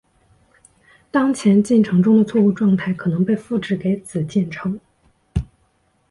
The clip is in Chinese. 当前进程中的错误状态可能被复制给子进程。